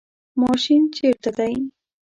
ماشین چیرته دی؟